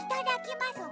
まますわ？